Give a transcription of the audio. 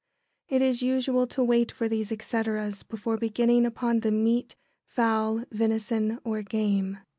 It is usual to wait for these etceteras before beginning upon the meat, fowl, venison, or game.